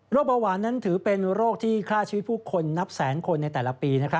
เบาหวานนั้นถือเป็นโรคที่ฆ่าชีวิตผู้คนนับแสนคนในแต่ละปี